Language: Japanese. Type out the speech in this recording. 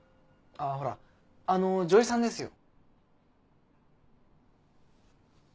あぁほらあの女医さんですよ。